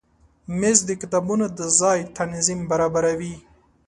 مېز د کتابونو د ځای تنظیم برابروي.